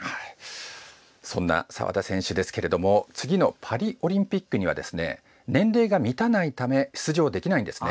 そんな澤田選手ですが次のパリオリンピックには年齢が満たないため出場できないんですね。